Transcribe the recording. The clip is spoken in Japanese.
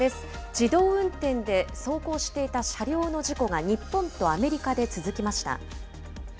自動運転で走行していた車両の事故が日本とアメリカで続きました。